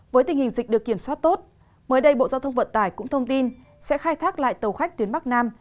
với tình hình dịch được kiểm soát tốt mới đây bộ giao thông vận tải cũng thông tin sẽ khai thác lại tàu khách tuyến bắc nam